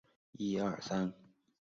新西兰岩虾原属海螯虾科海螯虾属。